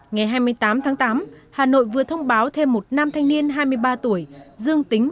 ngày hai mươi tám tháng tám hà nội vừa thông báo thêm một nam thanh niên hai mươi ba tuổi dương tính